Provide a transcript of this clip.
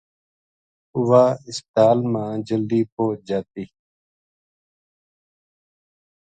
واہ ہسپتال ما جلدی پوہچ جاتی